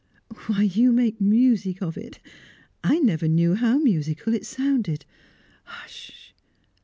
"Why, you make music of it! I never knew how musical it sounded. Hush!